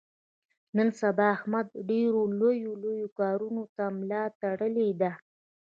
نن سبا احمد ډېرو لویو لویو کاونو ته ملا تړلې ده.